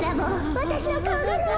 わたしのかおがない！